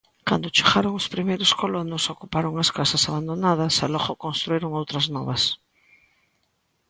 Cando chegaron os primeiros colonos, ocuparon as casas abandonadas e logo construíron outras novas.